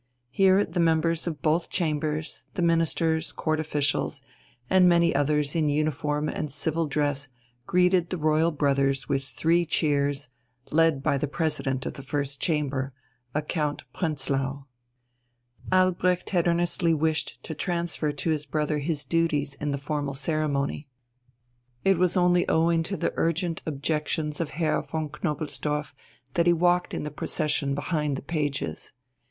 Here the members of both Chambers, the Ministers, Court officials, and many others in uniform and civil dress greeted the royal brothers with three cheers, led by the President of the First Chamber, a Count Prenzlau. Albrecht had earnestly wished to transfer to his brother his duties in the formal ceremony. It was only owing to the urgent objections of Herr von Knobelsdorff that he walked in the procession behind the pages.